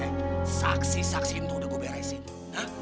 eh saksi saksi itu udah gue beresin